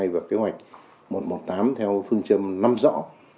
và kế hoạch một trăm một mươi tám theo phương châm năm rõ